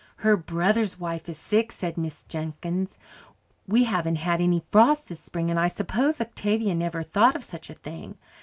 "Her brother's wife is sick," said Mrs. Jenkins. "We haven't had any frost this spring, and I suppose Octavia never thought of such a thing.